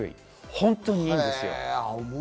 本当にいいんですよ。